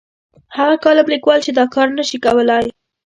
هغه کالم لیکوال چې دا کار نه شي کولای.